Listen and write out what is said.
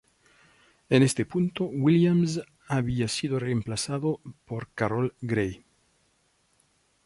En este punto, Williams había sido reemplazado por Carol Grey.